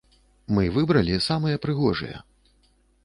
Мы выбралі самыя прыгожыя.